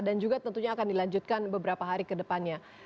dan juga tentunya akan dilanjutkan beberapa hari ke depannya